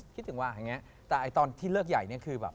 คิดถึงว่าแต่ตอนที่เลิกใหญ่